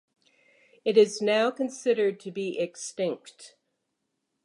It is now considered to be extinct.